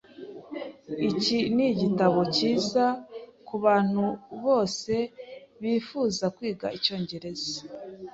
Iki nigitabo cyiza kubantu bose bifuza kwiga icyongereza.